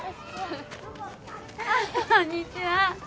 こんにちは。